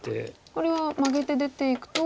これはマゲて出ていくと。